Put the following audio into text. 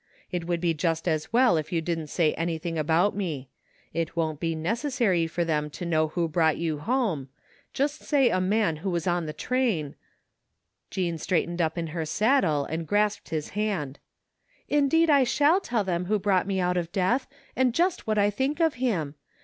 It would be just as well if you didn't say anything about me. It won't be necessary for them to know who brought you home ; just say a man who was on the train " Jean straightened up in her saddle and grasped his hand. " Indeed I shall tell them who brought me out of death, and just what I think of him.